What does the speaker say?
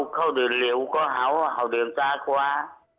เขาเดินเร็วกว่าเขาเดินจากกว่า